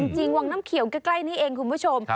จริงวังน้ำเขียวใกล้นี่เองคุณผู้ชม